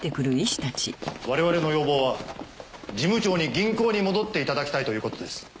我々の要望は事務長に銀行に戻っていただきたいということです。